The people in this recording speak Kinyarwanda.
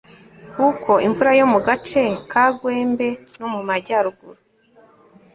kuko imvura yo mu gace ka gwembe no mu majyaruguru